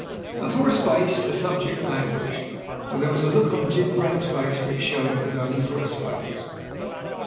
And for a space the subject languished, though there was a look on Jim Brent's face which showed it was only for a space.